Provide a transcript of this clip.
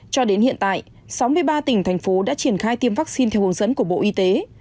cho đến hiện tại sáu mươi ba tỉnh thành phố đã triển khai tiêm vaccine theo hướng dẫn của bộ y tế